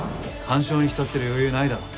感傷に浸ってる余裕ないだろ。